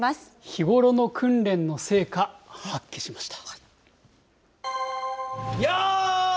日頃の訓練の成果、発揮しました。